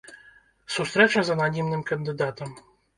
Сустрэча з ананімным кандыдатам.